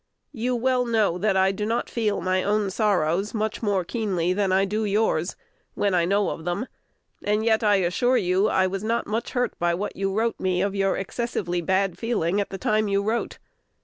You well know that I do not feel my own sorrows much more keenly than I do yours, when I know of them; and yet I assure you I was not much hurt by what you wrote me of your excessively bad feeling at the time you wrote.